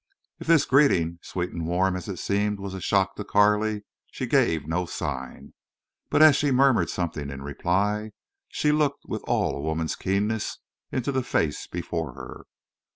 If this greeting, sweet and warm as it seemed, was a shock to Carley, she gave no sign. But as she murmured something in reply she looked with all a woman's keenness into the face before her.